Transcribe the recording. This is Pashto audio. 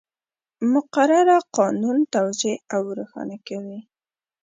مقرره قانون توضیح او روښانه کوي.